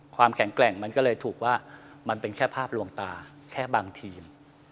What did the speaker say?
ความแข็งแกร่งมันก็เลยถูกว่ามันเป็นแค่ภาพลวงตาแค่บางทีม